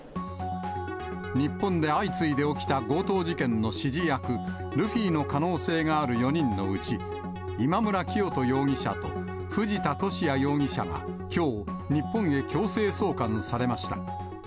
日本で相次いで起きた強盗事件の指示役、ルフィの可能性がある４人のうち、今村磨人容疑者と藤田聖也容疑者がきょう、日本へ強制送還されました。